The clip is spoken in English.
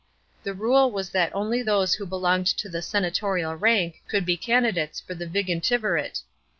The rule was that only those who belonged to the senatorial rank could be candidates for the vigintivkate.